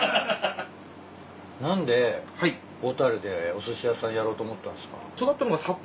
何で小樽でおすし屋さんやろうと思ったんすか？